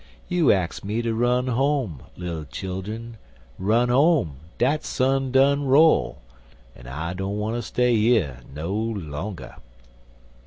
You ax me ter run home, Little childun Run home, dat sun done roll An' I don't wanter stay yer no longer.